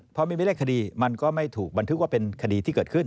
เพราะมีไม่มีเลขขีดีมันก็ไม่ถูกมันถึงว่าเป็นขีดีที่เกิดขึ้น